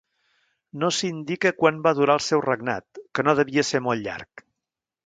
No s'indica quan va durar el seu regnat, que no devia ser molt llarg.